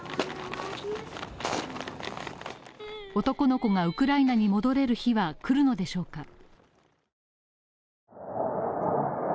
男の子がウクライナに戻れる日は来るのでしょうか。